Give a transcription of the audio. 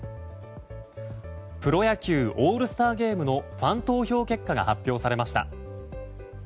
プロ野球オールスターゲームのファン投票結果が発表されました。